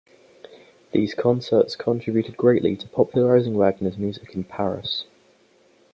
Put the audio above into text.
These concerts contributed greatly to popularizing Wagner's music in Paris.